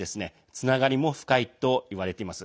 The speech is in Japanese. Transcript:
つながりが深いといわれています。